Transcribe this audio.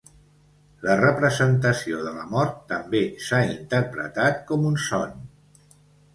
La representació de la mort també s"ha interpretat com un son.